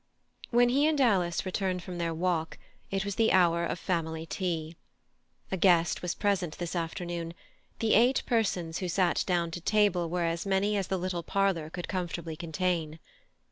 When he and Alice returned from their walk it was the hour of family tea. A guest was present this afternoon; the eight persons who sat down to table were as many as the little parlour could comfortably contain.